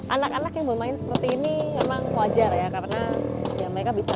anak anak yang bermain seperti ini memang wajar ya karena ya mereka bisa